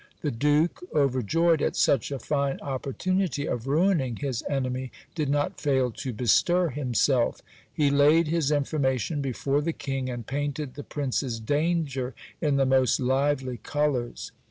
The duke, overjoyed at such a fine opportunity of ruining his enemy, did not fail to bestir himself. He laid his information before the king, and painted the prince's danger in the most lively colours.